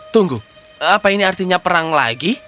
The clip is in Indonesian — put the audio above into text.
tunggu apa ini artinya perang lagi